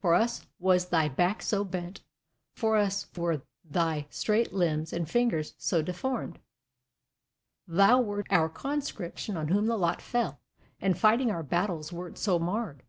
For us was thy back so bent, for us were thy straight limbs and fingers so deformed: thou wert our Conscript, on whom the lot fell, and fighting our battles wert so marred.